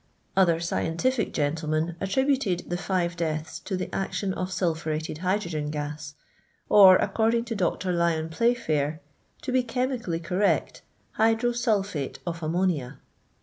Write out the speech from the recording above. Other scientific gentlemen atiri Ir.iied the five deaths to the action of sulphuretted hydrogen gas, or, according to Dr. Lyon Play£iir, to be chemically correct, hydro sulphate of aouno ni.i.